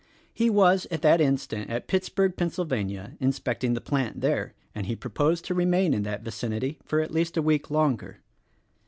He was at that instant at Pittsburg, Pa., inspecting the plant there, and he proposed to remain in that vicinity for at least a week longer.